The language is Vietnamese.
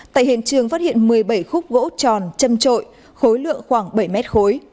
tại hiện trường phát hiện một mươi bảy khúc gỗ tròn châm trội khối lượng khoảng bảy m khối